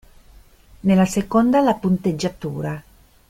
Nella seconda la punteggiatura.